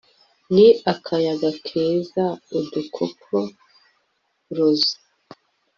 ni akayaga keza, udukoko, roza